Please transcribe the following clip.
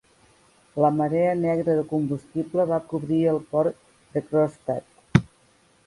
La marea negra de combustible va cobrir el port de Kronstadt.